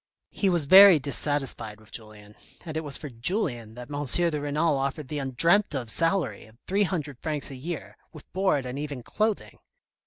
He was very dissatisfied with Julien, and it was for Julien that M. de Renal offered the undreamt of salary of 30ofcs. a year, with board and even clothing.